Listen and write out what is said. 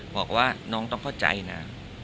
บอกว่าน้องต้องเข้าใจนะ